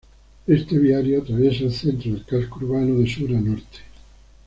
Este viario atraviesa el centro del casco urbano de sur a norte.